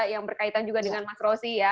yang berkaitan juga dengan mas rosi ya